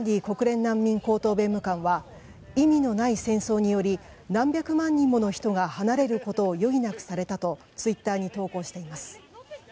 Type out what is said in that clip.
国連難民高等弁務官は意味のない戦争により何百万人もの人が離れることを余儀なくされたとツイッターに投稿しています。